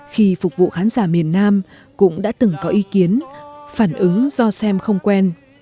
khi phục vụ khán giả miền nam cũng đã từng có ý kiến phản ứng do xem không quen